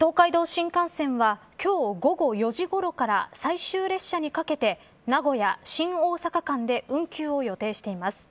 東海道新幹線は今日、午後４時ごろから最終列車にかけて名古屋、新大阪間で運休を予定しています。